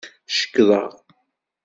Cekḍeɣ.